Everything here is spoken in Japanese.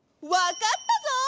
わかったぞ！